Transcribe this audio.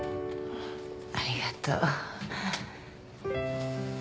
ありがとう。